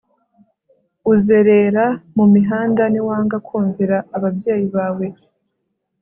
uzerera mu mihanda ni wanga kumvira ababyeyi bawe